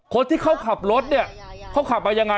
คนที่เขาขับรถนี่เขาขับไปอย่างไร